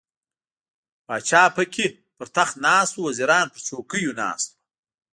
پاچا پکې پر تخت ناست و، وزیران پر څوکیو ناست وو.